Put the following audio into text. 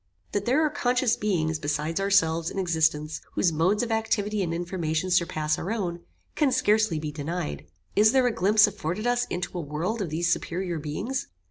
That there are conscious beings, beside ourselves, in existence, whose modes of activity and information surpass our own, can scarcely be denied. Is there a glimpse afforded us into a world of these superior beings?